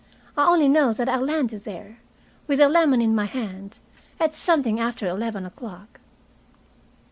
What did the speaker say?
I only know that I landed there, with a lemon in my hand, at something after eleven o'clock.